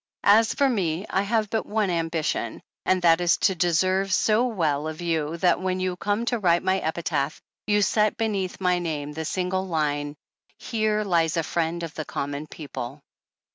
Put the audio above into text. As for me, I have but one ambition, and that is to deserve so well of you that when you come to write my epitaph, you set beneath my name the single line : Here lies a Friend of the Common People.'"